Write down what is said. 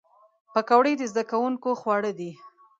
پکورې د زدهکوونکو خواړه دي